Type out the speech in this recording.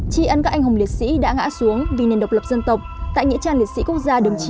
tri ân các anh hùng liệt sĩ đã ngã xuống vì nền độc lập dân tộc tại nghĩa trang liệt sĩ quốc gia đường chín